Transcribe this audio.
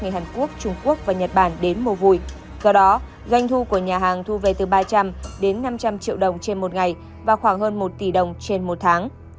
người hàn quốc trung quốc và nhật bản đến mua vui do đó doanh thu của nhà hàng thu về từ ba trăm linh đến năm trăm linh triệu đồng trên một ngày và khoảng hơn một tỷ đồng trên một tháng